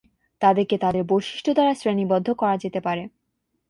তাদেরকে তাদের বৈশিষ্ট্য দ্বারা শ্রেণীবদ্ধ করা যেতে পারে।